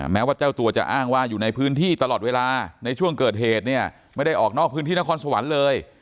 แม้ว่าเจ้าตัวจะอ้างว่าอยู่ในพื้นที่ตลอดเวลาในช่วงเกิดเหตุเนี่ยไม่ได้ออกนอกพื้นที่นครสวรรค์เลย